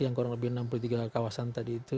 yang kurang lebih enam puluh tiga kawasan tadi itu